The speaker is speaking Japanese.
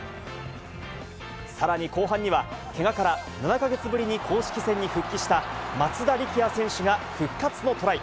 さらに後半には、けがから７か月ぶりに公式戦に復帰した松田力也選手が復活のトライ。